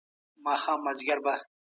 هورمونونه د کلسترول په مرسته جوړېږي.